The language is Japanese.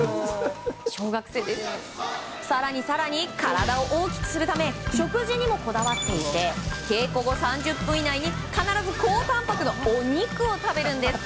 更に更に、体を大きくするため食事にもこだわっていて稽古後３０分以内に必ず高たんぱくのお肉を食べるんです。